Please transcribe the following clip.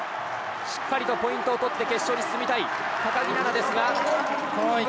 しっかりとポイントを取って決勝に進みたい高木菜那ですが。